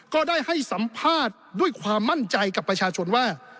ก็ได้ให้สัมภาษณ์ด้วยความมั่นใจกับประชาชนว่า